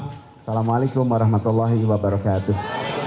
assalamualaikum warahmatullahi wabarakatuh